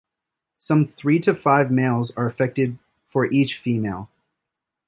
Some three to five males are affected for each female.